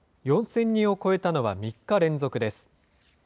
４０００人を超えたのは３日連続です。